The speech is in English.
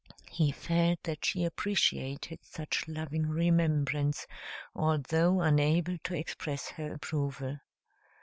He felt that she appreciated such loving remembrance, although unable to express her approval.